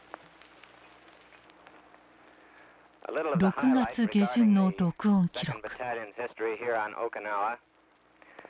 ６月下旬の録音記録。